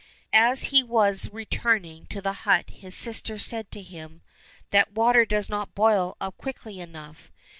" As he was returning to the hut his sister said to him, " That water does not boil up quickly enough